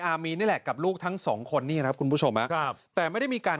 อามีนนี่แหละกับลูกทั้งสองคนนี่ครับคุณผู้ชมครับแต่ไม่ได้มีการ